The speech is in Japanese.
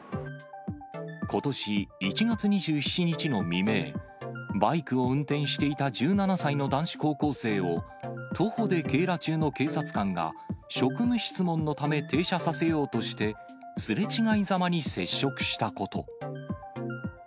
ことし１月２７日の未明、バイクを運転していた１７歳の男子高校生を、徒歩で警ら中の警察官が職務質問のため停車させようとして、すれ違いざまに接触したこと。